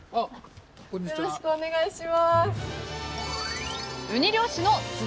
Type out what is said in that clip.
よろしくお願いします。